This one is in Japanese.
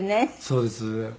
そうです。